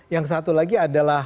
yang satu lagi adalah